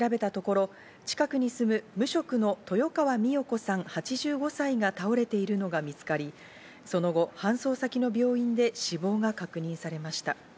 警察が調べたところ、近くに住む無職の豊川美代子さん、８５歳が倒れているのが見つかり、その後、搬送先の病院で死亡が確認されました。